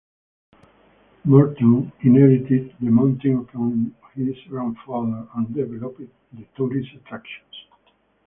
Morton inherited the mountain from his grandfather and developed the tourist attractions.